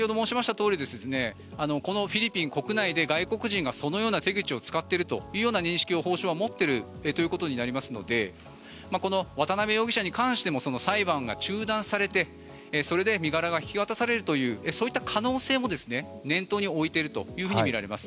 とおりフィリピン国内で外国人がそのような手口を使っているという認識を法相は持っているということになりますのでこの渡邉容疑者に関しても裁判が中断されてそれで身柄が引き渡されるというそういった可能性も念頭に置いているとみられます。